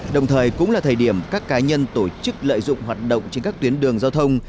đồng thời cũng là thời điểm các cá nhân tổ chức lợi dụng hoạt động trên các tuyến đường giao thông